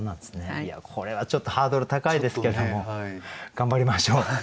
いやこれはちょっとハードル高いですけれども頑張りましょう。